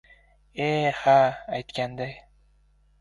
— E, ha, aytganday!